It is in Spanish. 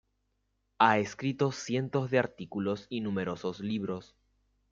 Ha escrito cientos de artículos y numerosos libros.